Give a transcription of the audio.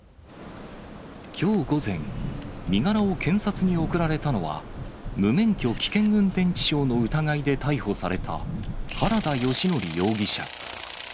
きょう午前、身柄を検察に送られたのは、無免許危険運転致傷の疑いで逮捕された原田義徳容疑者。